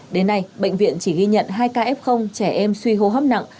đến nay bệnh viện chỉ ghi nhận hai ca f trẻ em suy hô hấp nặng